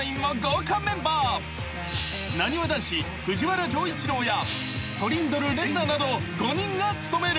［なにわ男子藤原丈一郎やトリンドル玲奈など５人が務める］